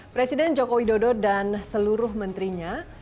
presiden joko widodo dan seluruh menterinya